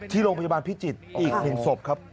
ที่โรงพยาบาลพิจิตรอีก๑ศพครับ